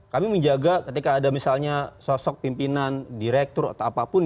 kami menjaga ketika ada misalnya sosok pimpinan direktur atau apapun